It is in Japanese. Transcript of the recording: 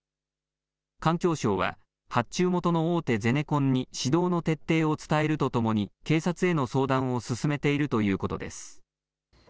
環境省は発注元の大手ゼネコンに指導の徹底を伝えるとともに警察への相談を進めているということです。